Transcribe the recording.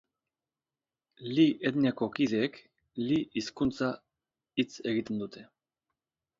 Li etniako kideek Li hizkuntza hitz egiten dute.